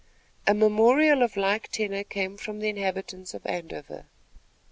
A memorial of like tenor come from the inhabitants of Andover.